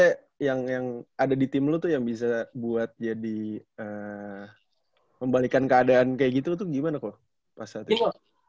apa kira kira maksudnya yang ada di tim lu tuh yang bisa buat jadi membalikan keadaan kayak gitu tuh gimana kok pas saat itu